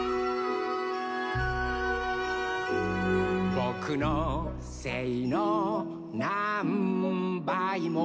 「ぼくのせいのなんばいも」